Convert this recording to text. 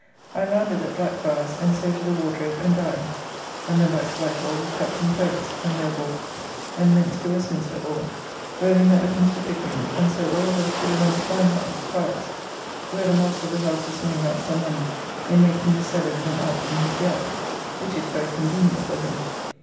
I landed at Blackfriars and so to the Wardrobe and dined, and then back to Whitehall with Captain Ferrers, and there walked, and thence to Westminster Hall, where we met with Mr. Pickering, and so all of us to the Rhenish wine house (Prior's), where the master of the house is laying out some money in making a cellar with an arch in his yard, which is very convenient for him.